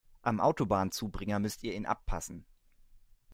Am Autobahnzubringer müsst ihr ihn abpassen.